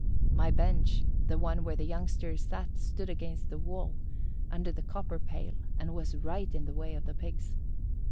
My bench, the one where the youngsters sat, stood against the wall, under the copper pail, and was right in the way of the Pigs.